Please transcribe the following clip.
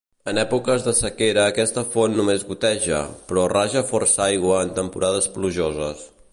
En èpoques de sequera aquesta font només goteja, però raja força aigua en temporades plujoses.